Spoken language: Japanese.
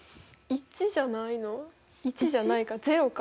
１じゃないか０か。